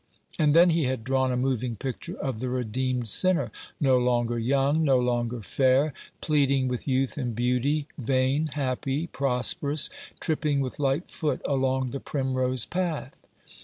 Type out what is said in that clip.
And then he had drawn a moving picture of the redeemed sinner — no longer young, no longer 291 Rough Justice. fair, pleading with youth and beauty, vain, happy, prosperous, tripping with light foot along the primrose path.